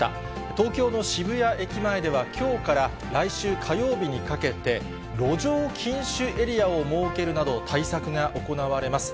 東京の渋谷駅前では、きょうから来週火曜日にかけて、路上禁酒エリアを設けるなど、対策が行われます。